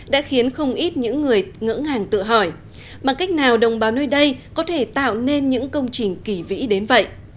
đã khiến không ít những người ngỡ ngàng tự hỏi bằng cách nào đồng bào nơi đây có thể tạo nên những công trình kỳ vĩ đến vậy